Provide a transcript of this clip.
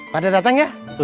pada dateng ya